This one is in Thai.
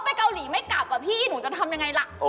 น้องไม่มีเงิน